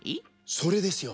それですよ！